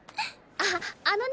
あっあのね